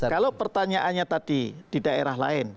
kalau pertanyaannya tadi di daerah lain